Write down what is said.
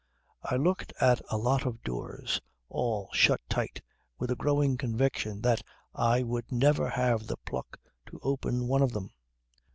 I looked at a lot of doors, all shut tight, with a growing conviction that I would never have the pluck to open one of them.